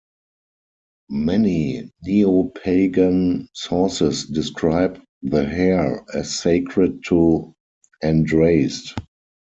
Many Neopagan sources describe the hare as sacred to Andraste.